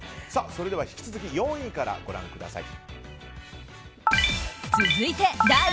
それでは引き続き４位からご覧ください。